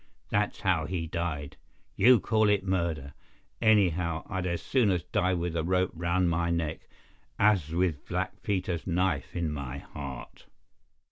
That's how he died. You can call it murder. Anyhow, I'd as soon die with a rope round my neck as with Black Peter's knife in my heart."